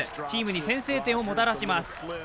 チームに先制点をもたらします。